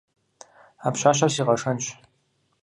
А пщащэр си къэшэнщ.